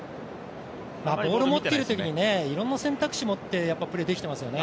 ボールを持っているときにいろんな選択肢を持ってプレーできていますよね。